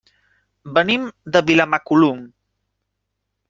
Venim de Vilamacolum.